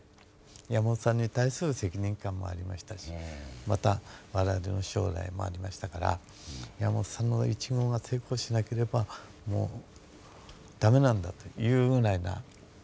山本さんに対する責任感もありましたしまた我々の将来もありましたから山本さんの１号が成功しなければもう駄目なんだというぐらいな。